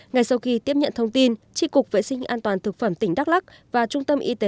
ngay sau khi tiếp nhận thông tin tri cục vệ sinh an toàn thực phẩm tỉnh đắk lắc và trung tâm y tế